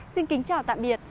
xin kính chào tạm biệt